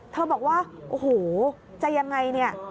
เธอบอกว่าโอ้โหจะอย่างไร